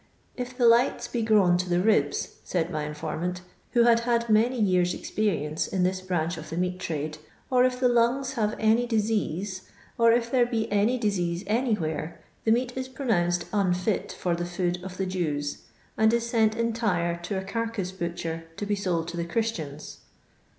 'If the lights be grown to the ribs,' said my informant, who had had many years' ex perience in this. branch of the meat trade, 'or if the lungs have any disease, or if there be any disease anywhere, the meat is pronounced unfit for the food of the Jews, and is sent entire to a carcase butcher to be sold to the Christians.